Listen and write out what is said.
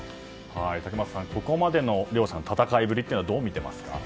竹俣さん、ここまでの両者の戦いぶりはどう見ていますか？